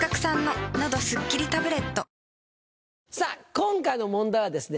今回の問題はですね